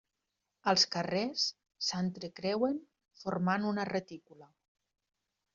Els carrers s'entrecreuen formant una retícula.